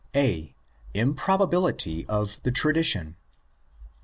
A.—Improbability of the Tradition.